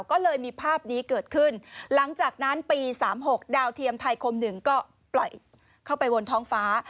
ก็เลยมีภาพนี้เกิดขึ้นหลังจากนั้นปี๓๖ดาวเทียมไทยคม๑ก็ปล่อยเข้าไปบนท้องฟ้า